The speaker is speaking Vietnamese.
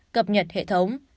cập nhật hệ thống